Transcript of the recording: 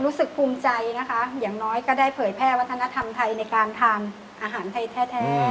รู้สึกภูมิใจนะคะอย่างน้อยก็ได้เผยแพร่วัฒนธรรมไทยในการทำอาหารไทยแท้